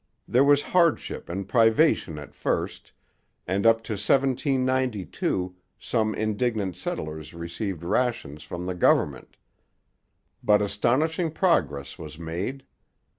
There was hardship and privation at first, and up to 1792 some indigent settlers received rations from the government. But astonishing progress was made.